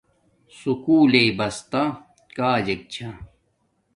سکُول لیݵ بستا کاجک چھا